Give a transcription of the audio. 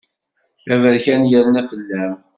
Aberkan yerna fell-am.